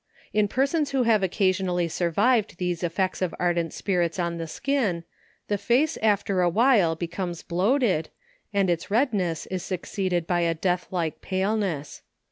In persons who have occasionally survived these effects of ardent spirits on the skin, the face after a while becomes bloated, and its redness is succeeded by a death like paleness.